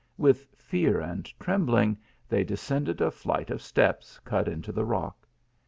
With fear and trem 172 THE ALHAMBRA. bling they descended a flight of steps cut into the rock.